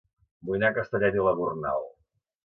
Vull anar a Castellet i la Gornal